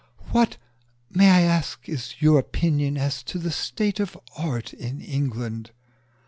"What, may I ask, is your opinion as to the state of Art in England?"